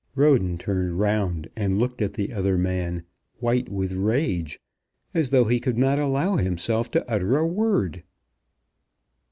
Roden turned round and looked at the other man, white with rage as though he could not allow himself to utter a word.